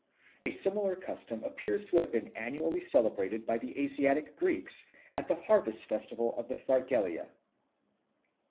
A similar custom appears to have been annually celebrated by the Asiatic Greeks at the harvest festival of the Thargelia.